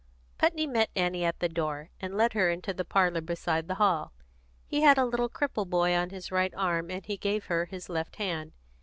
Putney met Annie at the door, and led her into the parlour beside the hall. He had a little crippled boy on his right arm, and he gave her his left hand.